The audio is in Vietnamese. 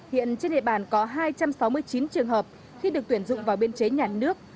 hiện trên địa bàn có hai trăm sáu mươi chín trường hợp khi được tuyển dụng vào biên chế nhà nước